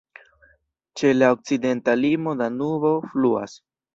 Ĉe la okcidenta limo Danubo fluas.